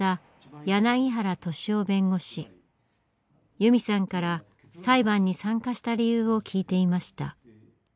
由美さんから裁判に参加した理由を聞いていました。